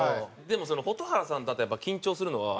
でも蛍原さんだとやっぱ緊張するのは。